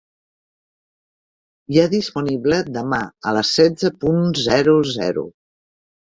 Hi ha disponible demà a les setze punt zero zero.